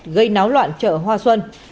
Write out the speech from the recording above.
gây náo loạn chợ hoa xuân